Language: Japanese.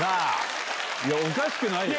いやおかしくないよ！